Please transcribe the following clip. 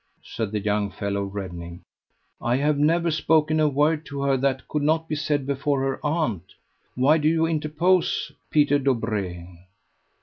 said the young fellow, reddening. "I have never spoken a word to her that could not be said before her aunt. Why do you interpose, Peter Dobree?"